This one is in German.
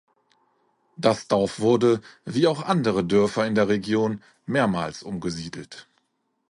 Das Dorf wurde, wie auch andere Dörfer in der Region, mehrmals umgesiedelt.